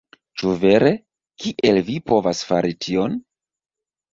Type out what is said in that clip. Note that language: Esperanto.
"Ĉu vere? Kiel vi povas fari tion?"